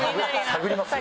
探りますよ